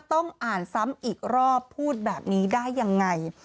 ต้องอ่านซ้ำอีกรอบพูดแบบนี้ได้ยังไง